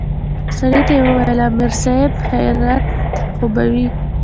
سړي ته يې وويل امر صايب خيريت خو به وي.